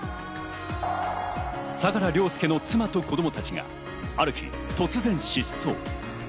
相良凌介の妻と子供たちがある日、突然失踪。